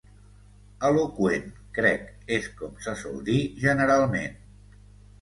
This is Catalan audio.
Eloqüent, crec, és com se sol dir generalment.